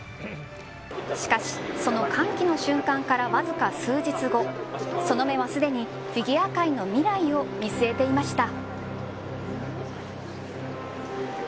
しかし、その歓喜の瞬間からわずか数日後その目は、すでにフィギュア界の未来を見据えていました。